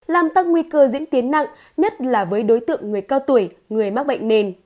làm tăng nguy cơ diễn tiến nặng nhất là với đối tượng người cao tuổi người mắc bệnh nền